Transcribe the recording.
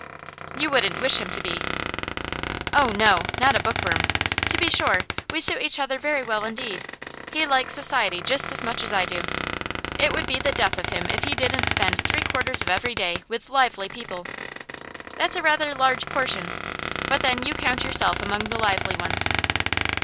'You wouldn't wish him to be.' 'Oh no! Not a bookworm. To be sure, we suit each other very well indeed. He likes society just as much as I do. It would be the death of him if he didn't spend three quarters of every day with lively people.' 'That's rather a large portion. But then you count yourself among the lively ones.